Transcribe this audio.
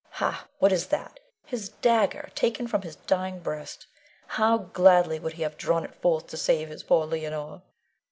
Ha! what is that? his dagger, taken from his dying breast. How gladly would he have drawn it forth to save his poor Leonore!